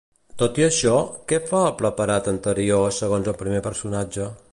Tot i això, què fa el preparat anterior, segons el primer personatge?